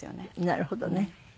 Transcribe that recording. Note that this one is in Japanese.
なるほどね。